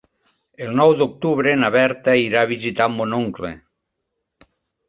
El nou d'octubre na Berta irà a visitar mon oncle.